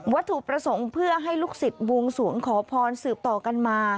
ถูกประสงค์เพื่อให้ลูกศิษย์บวงสวงขอพรสืบต่อกันมา